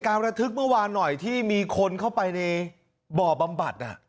ระทึกเมื่อวานหน่อยที่มีคนเข้าไปในบ่อบำบัด